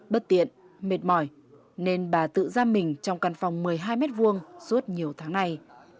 bất tiện mệt mỏi nên bà tự ra mình trong căn phòng một mươi hai m hai suốt nhiều tháng nay